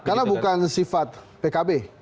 karena bukan sifat pkb